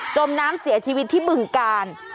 มน้ำเสียชีวิตที่บึงกาล